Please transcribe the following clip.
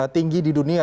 lagi di dunia